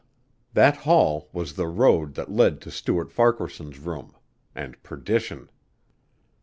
That hall was the road that led to Stuart Farquaharson's room and perdition!